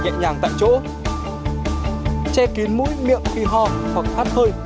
chàng tại chỗ che kín mũi miệng khi ho hoặc hát hơi